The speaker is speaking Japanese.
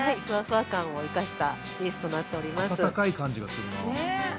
ふわふわ感を生かしたリースとなっております。